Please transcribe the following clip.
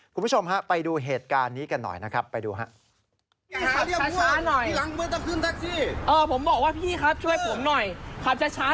คุณผู้ชมฮะไปดูเหตุการณ์นี้กันหน่อยนะครับไปดูครับ